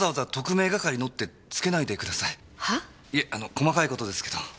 細かいことですけど。